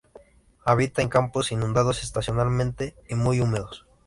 Habita en campos inundados estacionalmente y muy húmedos.